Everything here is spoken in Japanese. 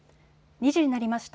２時になりました。